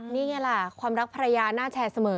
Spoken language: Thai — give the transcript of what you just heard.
นี่ไงล่ะความรักภรรยาน่าแชร์เสมอ